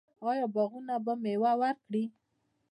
آیا باغونه به میوه ورکړي؟